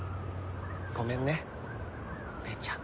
ごめんね姉ちゃん。